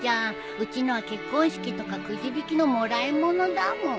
うちのは結婚式とかくじ引きのもらいものだもん。